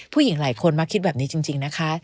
ผู้หญิงหลายคนมักคิดแบบนี้จริงนะคะ